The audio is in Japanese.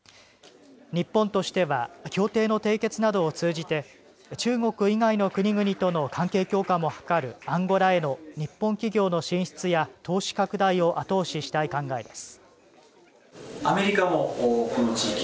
日本としては協定の締結などを通じて中国以外の国々との関係強化も図るアンゴラへの日本企業の進出や投資拡大を後押ししたい考えです。